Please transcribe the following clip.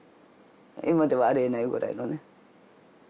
今ではありえないぐらいのね。